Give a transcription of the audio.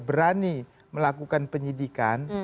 berani melakukan penyidikan